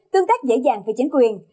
tương tác dễ dàng với chính quyền